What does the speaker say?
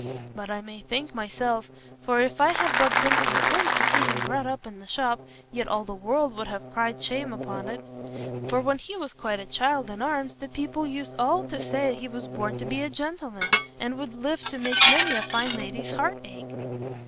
But I may thank myself, for if I had but been content to see him brought up in the shop yet all the world would have cried shame upon it, for when he was quite a child in arms, the people used all to say he was born to be a gentleman, and would live to make many a fine lady's heart ache."